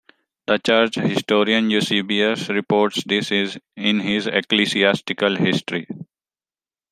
The church historian, Eusebius, reports this in his "Ecclesiastical History".